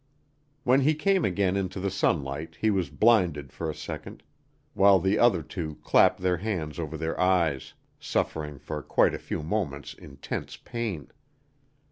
When he came again into the sunlight he was blinded for a second, while the other two clapped their hands over their eyes, suffering for quite a few moments intense pain.